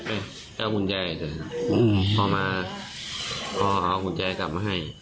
ไปเอากุญแจเถอะอืมพอมาพอเอากุญแจกลับมาให้